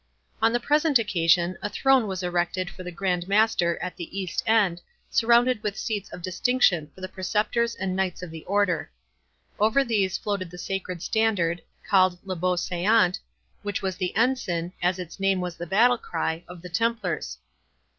On the present occasion, a throne was erected for the Grand Master at the east end, surrounded with seats of distinction for the Preceptors and Knights of the Order. Over these floated the sacred standard, called "Le Beau seant", which was the ensign, as its name was the battle cry, of the Templars.